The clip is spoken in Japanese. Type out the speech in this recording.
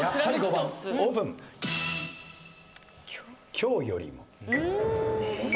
「今日よりも」